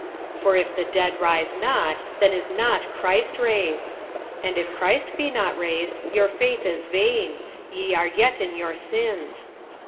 46:015:016 For if the dead rise not, then is not Christ raised: 46:015:017 And if Christ be not raised, your faith is vain; ye are yet in your sins.